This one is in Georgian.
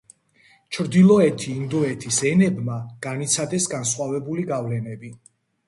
ჩრდილოეთი ინდოეთის ენებმა განიცადეს განსხვავებული გავლენები.